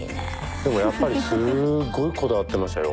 でもやっぱりすごいこだわってましたよ。